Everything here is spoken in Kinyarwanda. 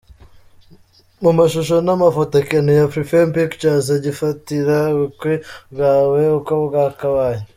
Mu mashusho n'amafoto akeye, Afrifame Pictures igufatira ubukwe bwawe uko bwakabaye.